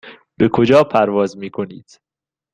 به کجا پرواز میکنید؟